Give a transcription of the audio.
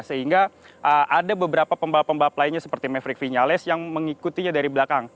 sehingga ada beberapa pembalap pembalap lainnya seperti maverick vinales yang mengikutinya dari belakang